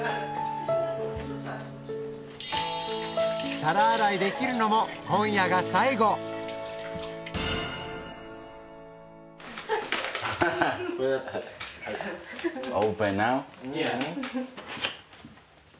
皿洗いできるのも今夜が最後ワーオ。